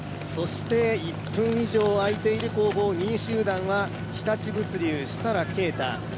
１分以上あいている攻防、２位集団は日立物流・設楽啓太。